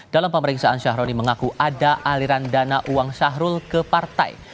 dalam pemeriksaan syahroni mengaku ada aliran dana uang syahrul ke partai